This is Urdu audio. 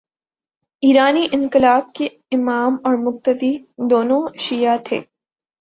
ایرانی انقلاب کے امام اور مقتدی، دونوں شیعہ تھے۔